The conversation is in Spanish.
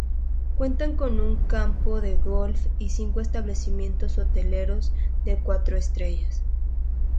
Cuentan con un campo de golf y cinco establecimientos hoteleros de cuatro estrellas.